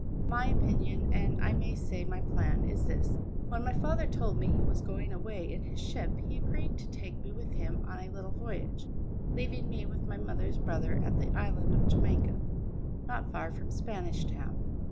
My opinion, and I may say my plan, is this: When my father told me he was going away in his ship, he agreed to take me with him on a little voyage, leaving me with my mother's brother at the island of Jamaica, not far from Spanish Town.